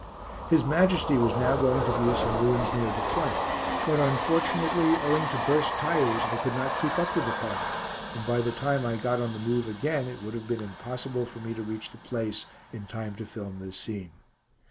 His Majesty was now going to view some ruins near the front, but unfortunately, owing to burst tyres, I could not keep up with the party, and by the time I got on the move again it would have been impossible for me to reach the place in time to film this scene.